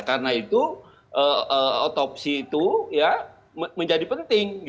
karena itu otopsi itu menjadi penting